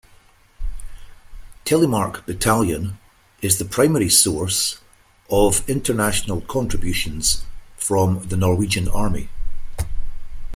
Telemark Battalion is the primary source of international contributions from the Norwegian Army.